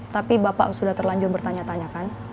tapi bapak sudah terlanjur bertanya tanya kan